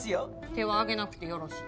手は上げなくてよろしい。